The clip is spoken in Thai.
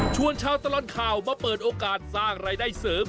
ชาวตลอดข่าวมาเปิดโอกาสสร้างรายได้เสริม